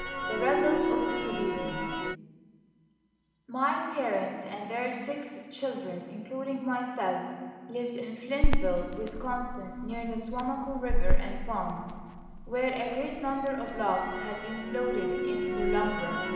THE RESULT OF DISOBEDIENCE My parents and their six children, including myself, lived in Flintville, Wisconsin, near the Suamico River and Pond, where a great number of logs had been floated in for lumber.